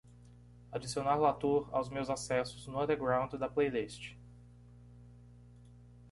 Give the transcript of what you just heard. Adicionar LaTour aos meus acessos no underground da playlist.